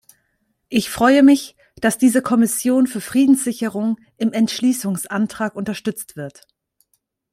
Ich freue mich, dass diese Kommission für Friedenssicherung im Entschließungsantrag unterstützt wird.